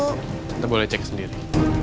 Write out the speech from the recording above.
tante boleh cek sendiri